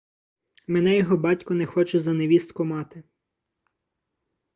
Мене його батько не хоче за невістку мати.